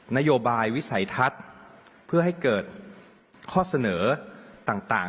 นโยบายวิสัยทัศน์เพื่อให้เกิดข้อเสนอต่าง